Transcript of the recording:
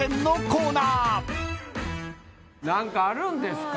何かあるんですか？